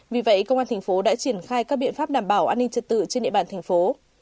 vì vậy công an thành phố đã triển khai các biện pháp đảm bảo an ninh trật tự trên địa bàn thành phố